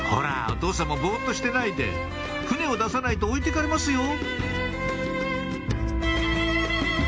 お父さんもボっとしてないで船を出さないと置いてかれますよ